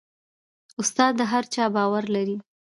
استاد د هر چا باور لري.